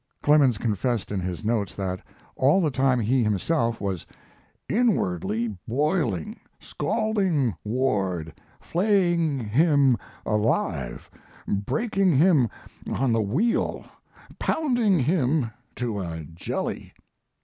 Clemens confessed in his notes that all the time he himself was "inwardly boiling scalping Ward flaying him alive breaking him on the wheel pounding him to a jelly."